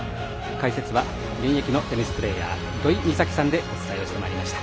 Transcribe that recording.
解説は現役のテニスプレーヤー土居美咲さんでお伝えをしてまいりました。